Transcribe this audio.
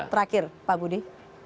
terakhir pak budi